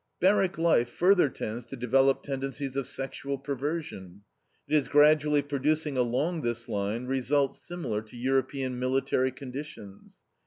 Barrack life further tends to develop tendencies of sexual perversion. It is gradually producing along this line results similar to European military conditions.